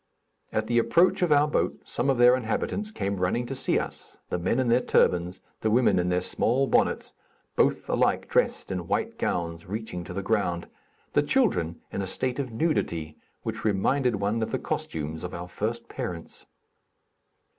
At the approach of our boat, some of their inhabitants came running to see us; the men in their turbans, the women in their small bonnets, both alike dressed in white gowns reaching to the ground, the children in a state of nudity which reminded one of the costumes of our first parents.